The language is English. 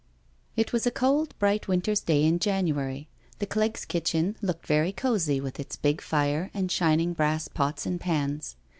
It was a cold, bright winter's day in January. The Clegg's kitchen looked very cosy with its big fire and shining brass pots and pans.